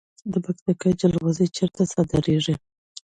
د پکتیا جلغوزي چیرته صادریږي؟